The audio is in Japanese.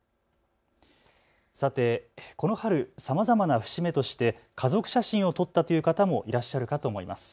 さて、この春さまざまな節目として家族写真を撮ったという方もいらっしゃるかと思います。